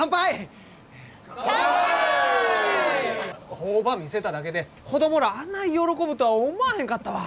工場見せただけで子供らあない喜ぶとは思わへんかったわ。